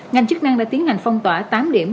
ngành chức năng đã tiến hành phong tỏa tám điểm